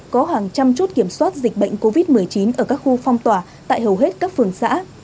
có hàng trăm chốt kiểm soát dịch bệnh covid một mươi chín ở các khu phong tỏa tại hầu hết các phường xã